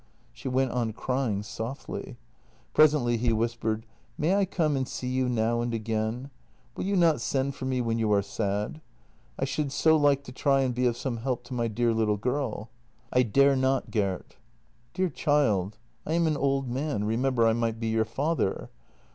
She went on crying softly. Presently he whispered: "May I come and see you now and again? Will you not send for me when you are sad? I should so like to try and be of some help to my dear little girl." " I dare not, Gert." " Dear child, I am an old man; remember, I might be your father."